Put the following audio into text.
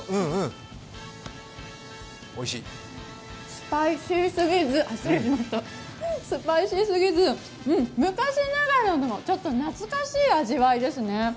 スパイシーすぎず、昔ながらのちょっと懐かしい味わいですね。